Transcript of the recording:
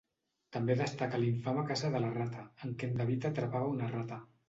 També destaca l'infame caça de la rata, en què en David atrapava una rata.